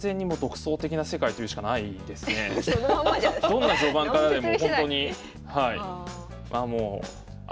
どんな序盤からでもほんとに。